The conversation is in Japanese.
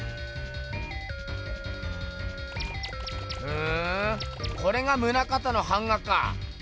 ふんこれが棟方の版画か。